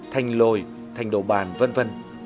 thành lồi thành đồ bàn v v